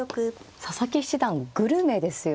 佐々木七段グルメですよね。